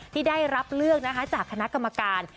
ที่ได้รับเลือกนะคะจากคณะกรรมการ